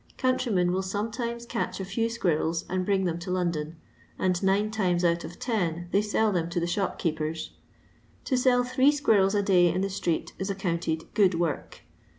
Countrymen will sometimes catch a few squirrels and bring them to London, and nine times out of ten they sell them to the shop> keepers. To sell three squirrels a day in the street is accounted good work.